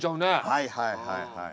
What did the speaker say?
はいはいはいはい。